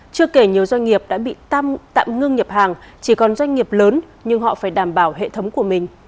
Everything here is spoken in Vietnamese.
chưa kể nhiều doanh nghiệp đã bị tạm ngưng nhập hàng chỉ còn doanh nghiệp lớn nhưng họ phải đảm bảo hệ thống của mình